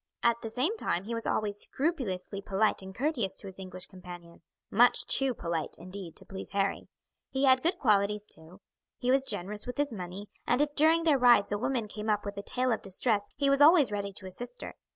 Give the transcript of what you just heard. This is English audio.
At the same time he was always scrupulously polite and courteous to his English companion much too polite, indeed, to please Harry. He had good qualities too: he was generous with his money, and if during their rides a woman came up with a tale of distress he was always ready to assist her.